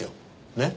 ねっ？